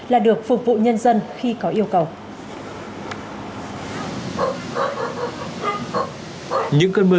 là được phục vụ nhân dân khi có yêu cầu